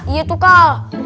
iya tuh kak